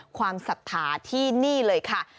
ศรัทธาที่นี่เลยค่ะ